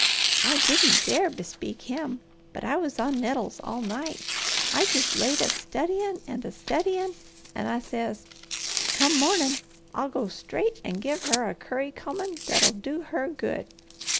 I didn't dare bespeak him, but I was on nettles all night. I jest laid a studyin' and a studyin', and I says, 'Come mornin' I'll go straight and give her a curry combin' that'll do her good.'